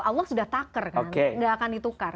allah sudah taker kan gak akan ditukar